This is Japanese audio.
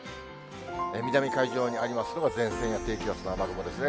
南海上にありますのが前線や低気圧の雨雲ですね。